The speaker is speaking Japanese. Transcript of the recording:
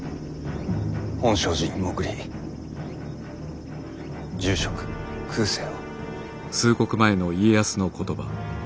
本證寺に潜り住職空誓を。